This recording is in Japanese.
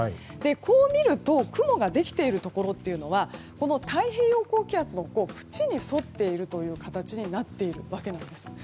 こう見ると雲ができているところは太平洋高気圧の縁に沿っているという形になっているわけです。